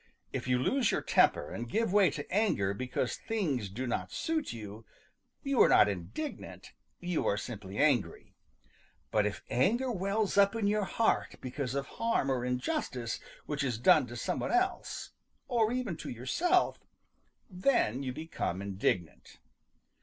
If you lose your temper and give way to anger because things do not suit you, you are not indignant; you are simply angry. But if anger wells up in your heart because of harm or injustice which is done to some one else, or even to yourself, then you become indignant.